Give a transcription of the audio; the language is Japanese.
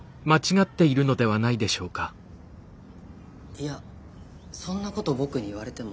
いやそんなことボクに言われても。